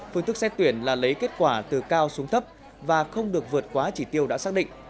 phương thức xét tuyển là lấy kết quả từ cao xuống thấp và không được vượt quá chỉ tiêu đã xác định